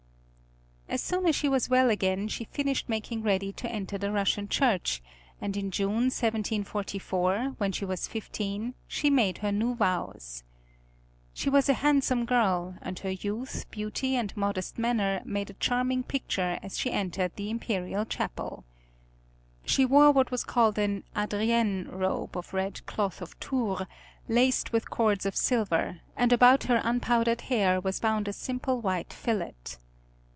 As soon as she was well again she finished making ready to enter the Russian Church, and in June, 1744, when she was fifteen, she made her new vows. She was a handsome girl, and her youth, beauty, and modest manner made a charming picture as she entered the imperial chapel. She wore what was called an "Adrienne" robe of red cloth of Tours, laced with cords of silver, and about her unpowdered hair was bound a simple white fillet.